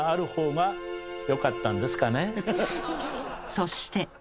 そして。